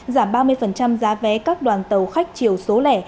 giảm ba mươi giá vé các đoàn tàu khách chiều số lẻ